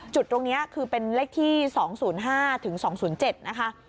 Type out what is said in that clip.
จุดตรงนี้เป็นเลขที่สองศูนย์ห้าถึงสองศูนย์เจ็ดนะคะ